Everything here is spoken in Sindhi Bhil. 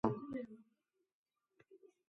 ائيٚݩ پو ڇوڪري کي ڪهيآݩدي تا پُٽ هآڻي توݩ هليو وهآ